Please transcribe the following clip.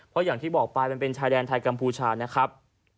เพราะอย่างที่บอกไปมันเป็นชายแดนไทยกัมพูชานะครับ